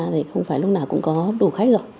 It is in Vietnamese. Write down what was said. thì không phải lúc nào cũng có đủ khách rồi